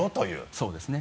そうですね。